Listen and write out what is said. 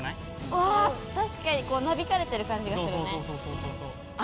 うわ確かになびかれてる感じがするね。